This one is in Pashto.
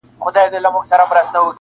ورته څیري تر لمني دي گرېوان کړه-